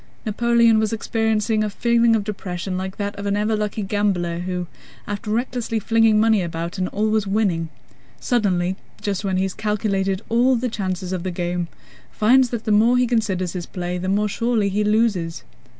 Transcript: Napoleon was experiencing a feeling of depression like that of an ever lucky gambler who, after recklessly flinging money about and always winning, suddenly just when he has calculated all the chances of the game, finds that the more he considers his play the more surely he loses.